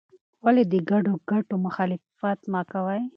ولې د ګډو ګټو مخالفت مه کوې؟